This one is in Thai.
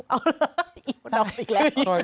นอกอีกแล้ว